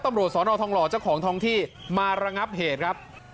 ตำรวจสอนอทองหล่อเจ้าของทองที่มาระงับเหตุครับ